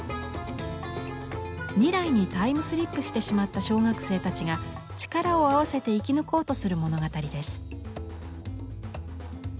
未来にタイムスリップしてしまった小学生たちが力を合わせて生き抜こうとする物語です。